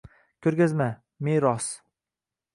Ko'rgazma:\Meros\"ng"